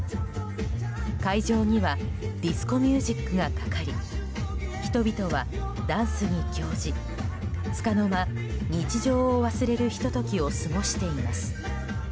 会場にはディスコミュージックがかかり人々はダンスに興じ、つかの間日常を忘れるひと時を過ごしています。